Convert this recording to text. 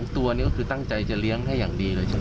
ตัวนี้ก็คือตั้งใจจะเลี้ยงให้อย่างดีเลยใช่ไหม